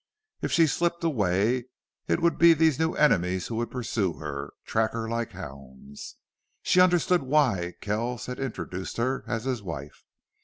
If she slipped away it would be these new enemies who would pursue her, track her like hounds. She understood why Kells had introduced her as his wife.